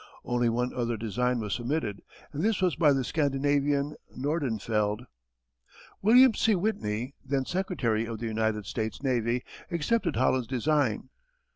Only one other design was submitted and this was by the Scandinavian, Nordenfeldt. William C. Whitney, then Secretary of the United States Navy, accepted Holland's design.